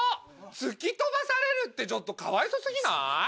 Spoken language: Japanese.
突き飛ばされるってちょっとかわいそ過ぎない？